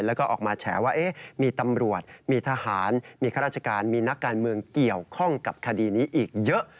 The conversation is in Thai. แล้วก็ออกมาแฉว่ามีตำรวจมีทหารมีข้าราชการมีนักการเมืองเกี่ยวข้องกับคดีนี้อีกเยอะ